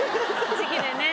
時期でね。